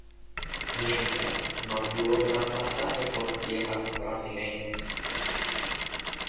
Mientras, no tuvo gran pasaje por tierras brasileñas.